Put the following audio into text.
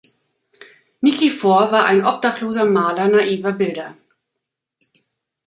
Nikifor war ein obdachloser Maler naiver Bilder.